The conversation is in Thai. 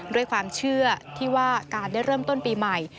ด้วยความเชื่อที่ว่าการได้เริ่มต้นปีใหม่